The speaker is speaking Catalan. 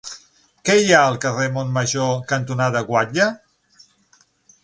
Què hi ha al carrer Montmajor cantonada Guatlla?